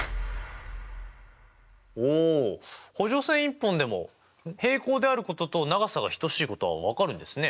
お補助線１本でも平行であることと長さが等しいことは分かるんですね。